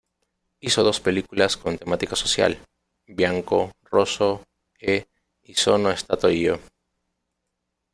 Hizo dos películas con temática social "Bianco, rosso e..." y "Sono stato io!